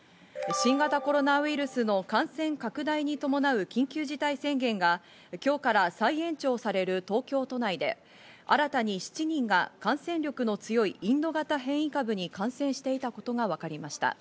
新型コロナウイルスの感染拡大に伴う緊急事態宣言が今日から再延長される東京都内で新たに７人が感染力の強い、インド型変異株に感染していたことが分かりました。